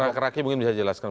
rak raki mungkin bisa dijelaskan